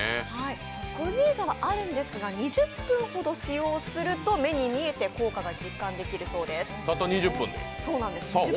個人差はあるんですが、２０分ほど使用すると目に見えて効果が実感できるそうです。